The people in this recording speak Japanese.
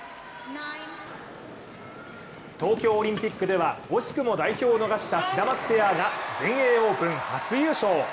東京オリンピックでは惜しくも代表を逃したシダマツペアが全英オープン初優勝。